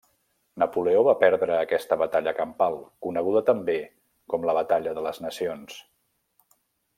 Napoleó va perdre aquesta batalla campal, coneguda també com la batalla de les nacions.